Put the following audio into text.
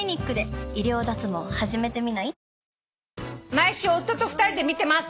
「毎週夫と２人で見てます。